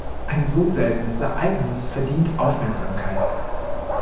Ein so seltenes Ereignis verdient Aufmerksamkeit.